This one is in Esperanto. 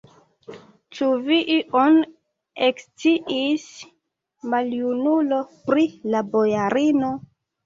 Ĉu vi ion eksciis, maljunulo, pri la bojarino?